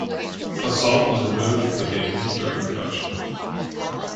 Assault was removed from the game during production.